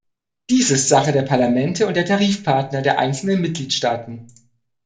Dies ist Sache der Parlamente und der Tarifpartner der einzelnen Mitgliedstaaten.